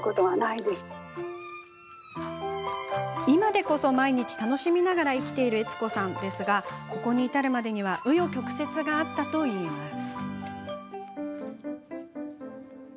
今でこそ毎日楽しみながら生きている悦子さんですがここに至るまでにはう余曲折があったといいます。